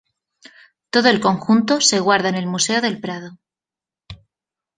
Todo el conjunto se guarda en el Museo del Prado.